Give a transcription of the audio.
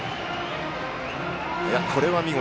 これは見事。